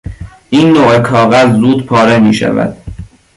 این نوع کاغذ زود پاره میشود.